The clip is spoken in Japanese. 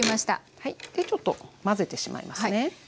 でちょっと混ぜてしまいますね。